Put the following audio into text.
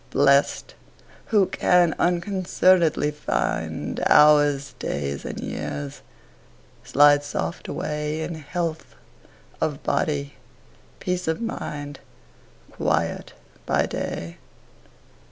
Blest, who can unconcern'dly find Hours, days, and years, slide soft away In health of body, peace of mind, Quiet by day.